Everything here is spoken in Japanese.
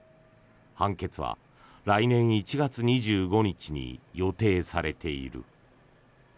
判決は来年１月２５日に予定されている。